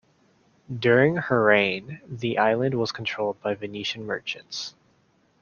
During her reign the island was controlled by Venetian merchants.